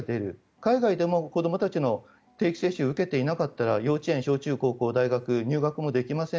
海外でも、子どもの定期接種を受けていなかったら幼稚園、学校などの入学ができません。